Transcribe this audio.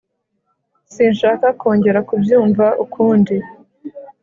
Sinshaka kongera kubyumva ukundi